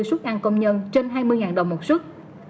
suất ăn công nhân trên hai mươi đồng một xuất